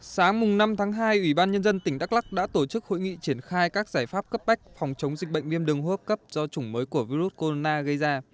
sáng năm tháng hai ủy ban nhân dân tỉnh đắk lắc đã tổ chức hội nghị triển khai các giải pháp cấp bách phòng chống dịch bệnh viêm đường hô hấp cấp do chủng mới của virus corona gây ra